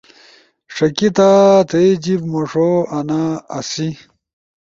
ݜکیتا تھئی جیِب مُوݜو آنا آسی۔